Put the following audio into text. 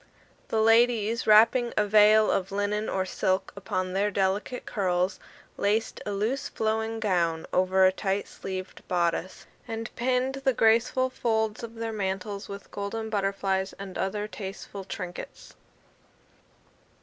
The ladies, wrapping a veil of linen or silk upon their delicate curls, laced a loose flowing gown over a tight sleeved bodice, and pinned the graceful folds of their mantles with golden butterflies and other tasteful trinkets.